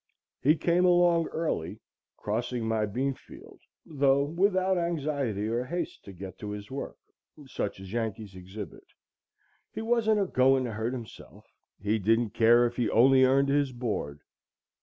He came along early, crossing my bean field, though without anxiety or haste to get to his work, such as Yankees exhibit. He wasn't a going to hurt himself. He didn't care if he only earned his board.